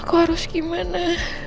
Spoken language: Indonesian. aku harus gimana